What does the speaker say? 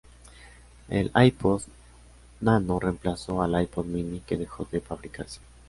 El iPod nano reemplazó al iPod mini, que dejó de fabricarse.